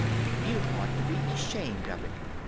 "You ought to be ashamed of it."